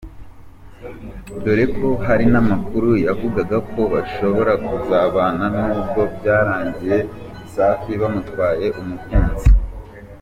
dore ko hari n’ amakuru yavugaga ko bashobora kuzabana nubwo byarangiye Safi bamutwaye umukunzi .